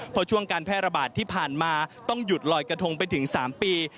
เพราะช่วงการแพร่ระบาดที่ผ่านมาต้องหยุดลอยกระทงไปถึง๓ปี